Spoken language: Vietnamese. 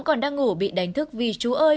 còn đang ngủ bị đánh thức vì chú ơi